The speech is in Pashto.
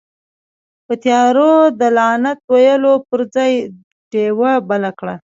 په تيارو ده لعنت ويلو پر ځئ، ډيوه بله کړه.